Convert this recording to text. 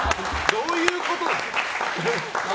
どういうことだ！